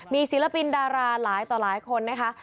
มีศิลปินดาราหลายต่อหลายคนนะคะ